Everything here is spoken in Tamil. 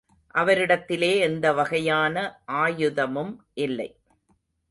அவரிடத்திலே எந்த வகையான ஆயுதமும் இல்லை.